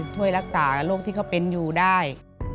ช่วยรักษากับโรคที่เขาเป็นอยู่ได้